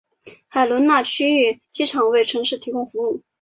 海伦娜区域机场为城市提供服务。